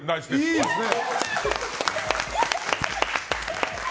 いいですね。